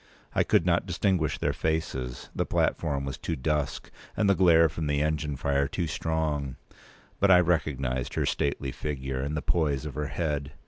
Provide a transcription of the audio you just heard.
I could not distinguish their faces; the platform was too dusk, and the glare from the engine fire too strong; but I recognised her stately figure, and the poise of her head.